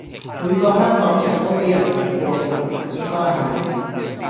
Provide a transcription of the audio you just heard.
每個香港人都畀人問過嘅問題應該係